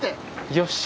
よし。